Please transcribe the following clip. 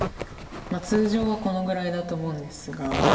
通常はこのぐらいだと思うんですが。